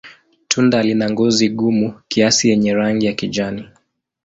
Tunda lina ngozi gumu kiasi yenye rangi ya kijani.